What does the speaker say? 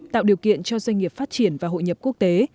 tạo điều kiện cho doanh nghiệp phát triển và hội nhập quốc tế